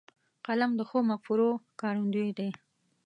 قلم د ښو مفکورو ښکارندوی دی